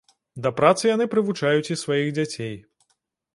Да працы яны прывучваюць і сваіх дзяцей.